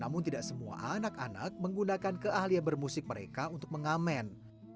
namun tidak semua anak anak menggunakan keahlian bermusik mereka untuk mengamen